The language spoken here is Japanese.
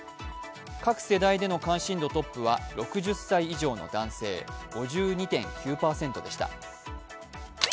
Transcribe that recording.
各世代での関心度トップは６０代以上の男性５２．９％でした。